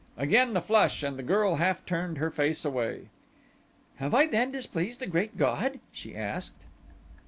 Again the flush and the girl half turned her face away. "Have I then displeased the Great God?" she asked.